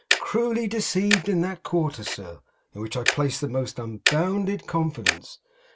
Cruelly deceived in that quarter, sir, in which I placed the most unbounded confidence.